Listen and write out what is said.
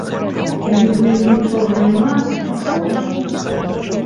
Нібы й нічога няма, а хораша.